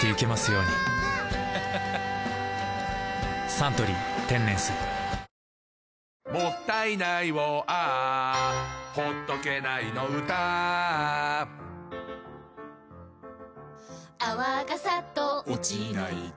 「サントリー天然水」「もったいないをＡｈ」「ほっとけないの唄Ａｈ」「泡がサッと落ちないと」